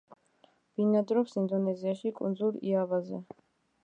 ბინადრობს ინდონეზიაში, კუნძულ იავაზე.